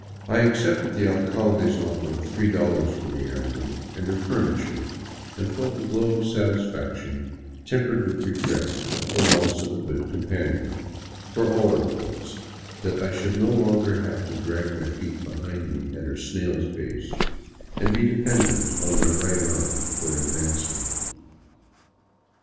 I accepted the alcalde's oflfer of $3 for the animal and her " furniture," and felt a glow of satisfaction, tempered with regret at the loss of a good companion, for all her faults, that I should no longer have to drag my feet behind me at her snail's pace, and be de pendent on my right arm for advancement.